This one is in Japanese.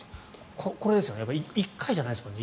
これですよね１回じゃないですよね